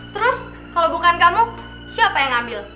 terus kalau bukan kamu siapa yang ambil